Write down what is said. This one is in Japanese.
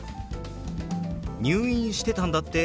「入院してたんだって？